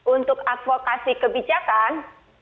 untuk advokasi kebijakan